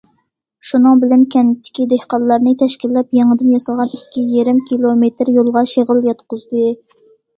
شۇنىڭ بىلەن كەنتتىكى دېھقانلارنى تەشكىللەپ، يېڭىدىن ياسالغان ئىككى يېرىم كىلومېتىر يولغا شېغىل ياتقۇزدى.